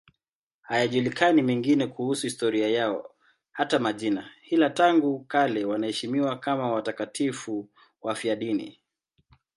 Hayajulikani mengine kuhusu historia yao, hata majina, ila tangu kale wanaheshimiwa kama watakatifu wafiadini.